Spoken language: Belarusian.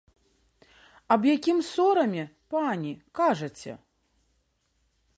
Аб якім сораме, пані, кажаце?